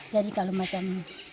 jadi kalau macam